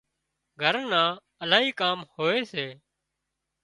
گھر نان الاهي ڪام هوئي سي